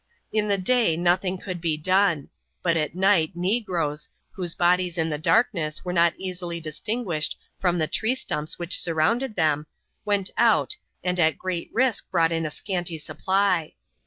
In the day nothing could be done, but at night negroes, whose bodies in the darkness were not easily distinguished from the tree stumps which surrounded them, went out and at great risk brought in a scanty supply.